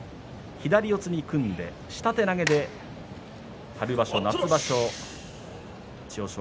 左四つに組んで下手投げで春場所、夏場所千代翔